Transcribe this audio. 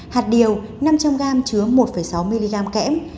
hạt điều năm trăm linh gram chứa một sáu mg kẽm